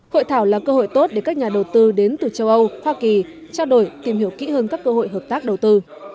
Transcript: hội thảo là cơ hội tốt để các nhà đầu tư đến từ châu âu hoa kỳ trao đổi tìm hiểu kỹ hơn các cơ hội hợp tác đầu tư